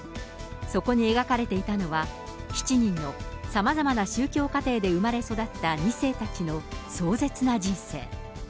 そこに描かれていたのは、７人のさまざまな宗教家庭で生まれ育った２世たちの壮絶な人生。